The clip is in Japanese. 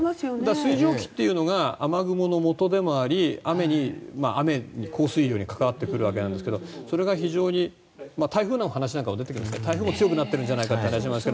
水蒸気というのが雨雲のもとでもあり雨に降水量に関わってくるわけなんですがそれが非常に台風の話なんかでも出てきますが台風も強くなっているんじゃないかという話もありますが